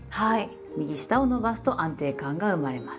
右下を伸ばすと安定感が生まれます。